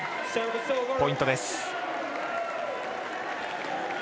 ポイントです。